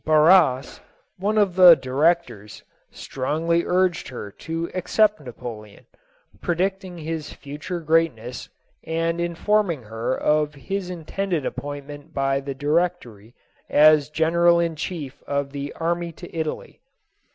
Barras, one of the Directors, strongly urged her to accept Napoleon, predicting his future greatness, and informing her of his intended appointment by the Di rectory as general in chief of the army to Italy.